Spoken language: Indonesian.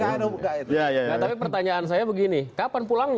ya nggak tapi pertanyaannya kapan pulang